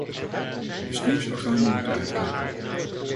De bestuursorganen moeten uitkijken.